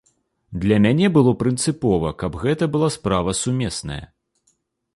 Для мяне было прынцыпова, каб гэта была справа сумесная.